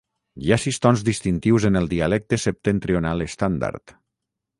Hi ha sis tons distintius en el dialecte septentrional estàndard.